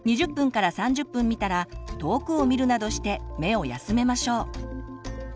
２０３０分見たら遠くを見るなどして目を休めましょう。